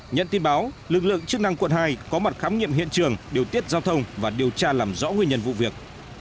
nhận tin báo lực lượng chức năng quận hai có mặt khám nghiệm hiện trường điều tiết giao thông và điều tra làm rõ nguyên nhân vụ việc